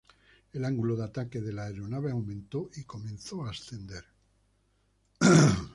El ángulo de ataque de la aeronave aumentó, y comenzó a ascender.